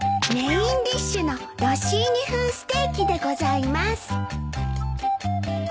メインディッシュのロッシーニ風ステーキでございます。